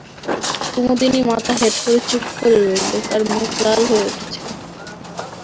কুমুদিনী মাথা হেঁট করে চুপ করে রইল, তার মুখ লাল হয়ে উঠেছে।